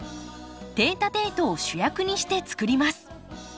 テイタテイトを主役にして作ります。